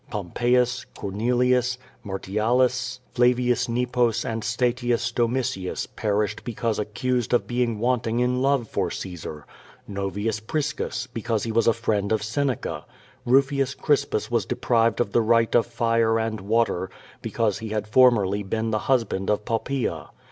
Pompeius, Cornelius, Martialis,F5avius Xepos and Statius Domitius perished because accu^ of being wanting in love for Caesar; Novius Priscus, becaike he was a friend of Seneca; Eufius Crispus was deprived oi right of fire and water, because he had formerly been thl husband of Poppaea.